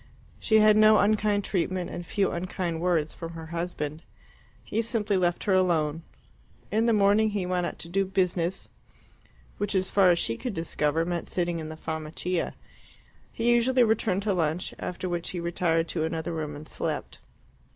She had no unkind treatment, and few unkind words, from her husband. He simply left her alone. In the morning he went out to do "business," which, as far as she could discover, meant sitting in the Farmacia. He usually returned to lunch, after which he retired to another room and slept.